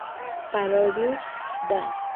Parodius Da!